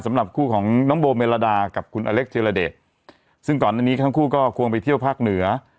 สำหรับคู่ของน้องโบเมลดากับคุณอเล็กธิรเดชซึ่งก่อนอันนี้ทั้งคู่ก็ควงไปเที่ยวภาคเหนือ